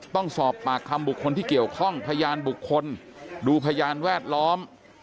ต้องสอบปากคำบุคคลที่เกี่ยวข้องพยานบุคคลดูพยานแวดล้อม